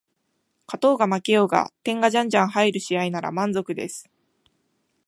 勝とうが負けようが点がじゃんじゃん入る試合なら満足です